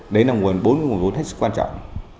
đấy là nguồn bốn nguồn vốn hết sức quan trọng